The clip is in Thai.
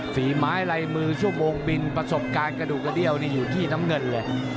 ฝีไม้ลายมือชั่วโมงบินประสบการณ์กระดูกกระเดี้ยวนี่อยู่ที่น้ำเงินเลย